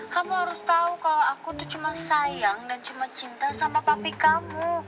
kamu harus tau kalo aku tuh cuma sayang dan cuma cinta sama papi kamu